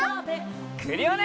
クリオネ！